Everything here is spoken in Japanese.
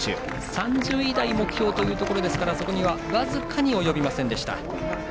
３０位台を目標というところですからそこには僅かに及びませんでした。